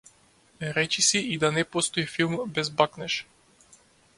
Речиси и да не постои филм без бакнеж.